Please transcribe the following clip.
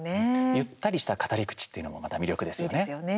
ゆったりした語り口っていうのもまた魅力ですね。